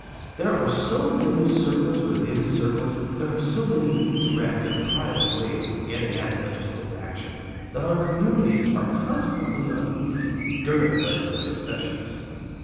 There are so many circles within circles, there are so many indirect and private ways of getting at legislative action, that our communities are constantly uneasy during legislative sessions.